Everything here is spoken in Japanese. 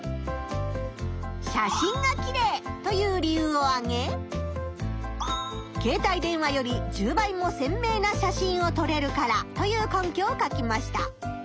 「写真がきれい」という理由をあげ「携帯電話より１０倍もせんめいな写真をとれるから」という根拠を書きました。